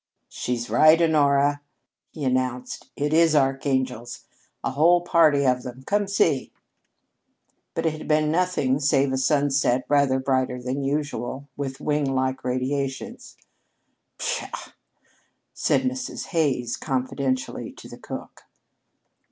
"She's right, Honora," he announced. "It is archangels a whole party of them. Come, see!" But it had been nothing save a sunset rather brighter than usual, with wing like radiations. "Pshaw!" said Mrs. Hays confidentially to the cook.